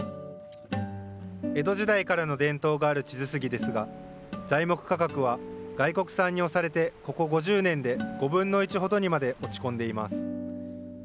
江戸時代からの伝統がある智頭杉ですが、材木価格は外国産に押されてここ５０年で、５分の１ほどにまで落ち込んでいます。